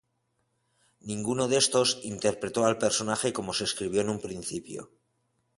Ninguno de estos interpretó al personaje como se escribió en un principio.